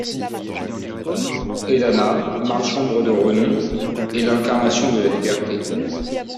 Ellana, marchombre de renom, est l'incarnation de la liberté.